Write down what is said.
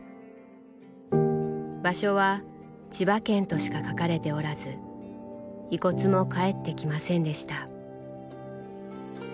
場所は「千葉県」としか書かれておらず遺骨も返ってきませんでした。